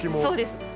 そうです。